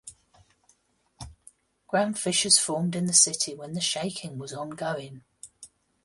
Ground fissures formed in the city when the shaking was ongoing.